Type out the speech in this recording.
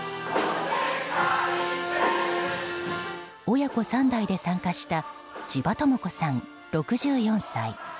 親子３代で参加した千葉友子さん、６４歳。